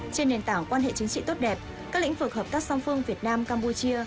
trên nền tảng quan hệ chính trị tốt đẹp các lĩnh vực hợp tác song phương việt nam campuchia